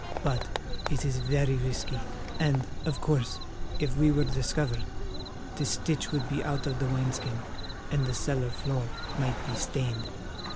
But it is very risky, and, of course, if we were discovered—the stitch would be out of the wineskin, and the cellar floor might be stained!"